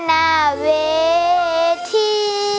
นาเวที